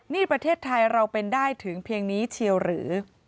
นี่ประเทศไทยเราเป็นได้ถึงเพียงนี้เชียวหรือ